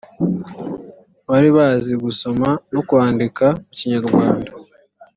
bari bazi gusoma no kwandika mu kinyarwanda